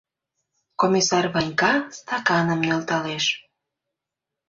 Комиссар Ванька стаканым нӧлталеш.